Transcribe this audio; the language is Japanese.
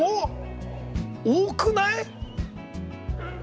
多くない？